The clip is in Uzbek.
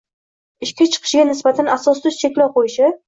ishga chiqishiga nisbatan asossiz cheklov qo‘yishi